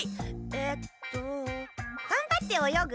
えっとがんばって泳ぐ？